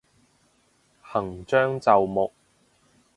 行將就木